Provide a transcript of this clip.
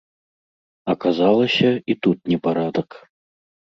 Аказалася, і тут непарадак.